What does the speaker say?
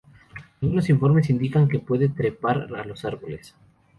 Algunos informes indican que puede trepar a los árboles.